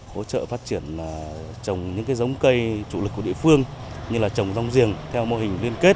hỗ trợ phát triển trồng những giống cây chủ lực của địa phương như là trồng rong giềng theo mô hình liên kết